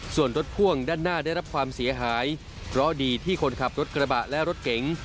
ส่วนรถพ่วงด้านหน้าได้รับความเสียหายเพราะดีที่คนขับรถกระบะและรถเก๋ง